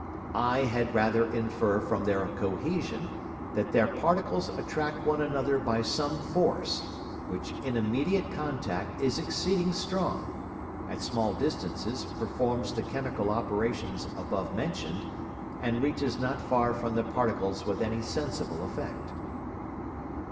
I had rather infer from their Cohesion, that their Particles attract one another by some Force, which in immediate Contact is exceeding strong, at small distances performs the chymical Operations above mention'd, and reaches not far from the Particles with any sensible Effect.